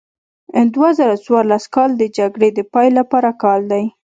دوه زره څوارلس کال د جګړې د پای کال دی.